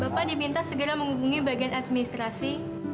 bapak diminta segera menghubungi bagian administrasi